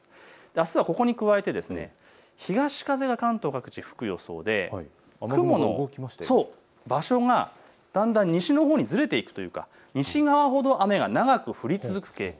あすはここに加えて東風が関東各地、吹く予想で雲の場所がだんだん西のほうにずれていくというか、西側ほど雨が長く降り続く傾向。